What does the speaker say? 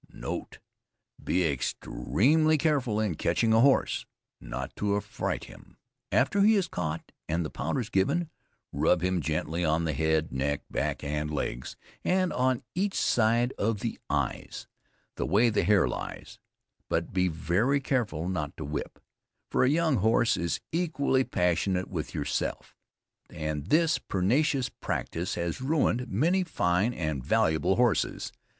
NOTE. Be extremely careful in catching a horse, not to affright him. After he is caught, and the powders given, rub him gently on the head, neck, back and legs, and on each side of the eyes, the way the hair lies, but be very careful not to whip, for a young horse is equally passionate with yourself, and this pernicious practice has ruined many fine and valuable horses.